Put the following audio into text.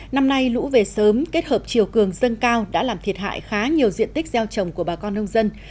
năm nay lũ về sớm kết hợp chiều cường dâng cao đã làm thiệt hại khá nhiều diện tích gieo trồng của bà con nông dân